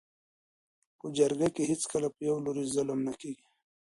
. په جرګه کي هیڅکله په یوه لوري ظلم نه کيږي.